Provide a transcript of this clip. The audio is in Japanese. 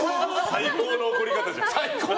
最高の怒り方じゃん。